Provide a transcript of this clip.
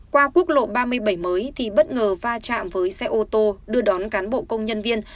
qua quốc lộ ba mươi bảy mới thì bất ngờ va chạm với xe ô tô đưa đón cán bộ công nhân viên